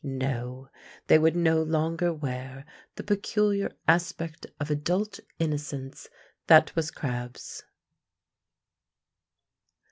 No: they would no longer wear the peculiar aspect of adult innocence that was Crabbe's.